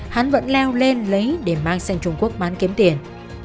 hắn vẫn leo lên lấy để mang sang trung quốc bán kiếm tiền